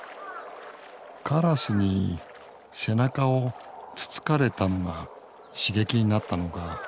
カラスに背中をつつかれたのが刺激になったのか。